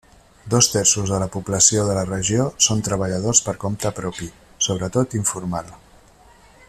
Dos terços de la població de la regió són treballadors per compte propi, sobretot informal.